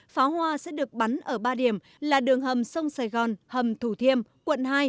pháo hoa sẽ được bắn ở ba điểm là đường hầm sông sài gòn hầm thủ thiêm quận hai